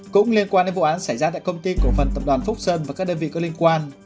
cũng liên quan đến vụ án xảy ra tại công ty cổ phần tập đoàn phúc sơn và các đơn vị có liên quan